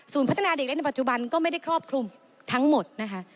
พัฒนาเด็กเล่นในปัจจุบันก็ไม่ได้ครอบคลุมทั้งหมดนะคะ